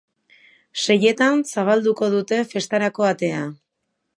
Seietan zabalduko dute festarako atea.